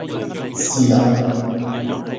豉油